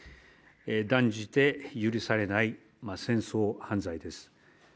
断じて許されない戦争犯罪です。